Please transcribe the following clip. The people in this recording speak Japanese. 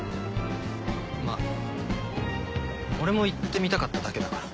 まあ俺も行ってみたかっただけだから。